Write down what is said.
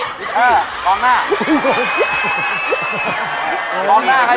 เออตอนหน้า